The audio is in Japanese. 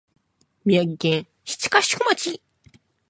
宮城県七ヶ宿町